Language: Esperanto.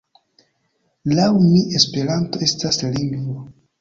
Laŭ mi Esperanto estas lingvo.